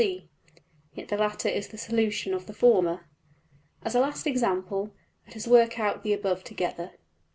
\] yet the latter is the \textit{solution} of the former. As a last example, let us work out the above together.